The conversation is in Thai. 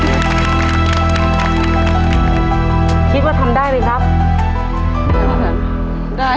ขอบคุณครับ